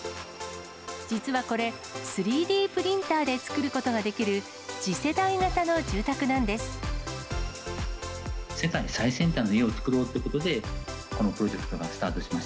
実はこれ、３Ｄプリンターで作ることができる、次世代型の住宅なんです。